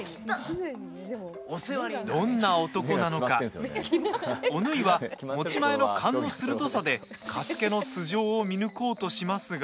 どんな男なのかお縫は、持ち前の勘の鋭さで加助の素性を見抜こうとしますが。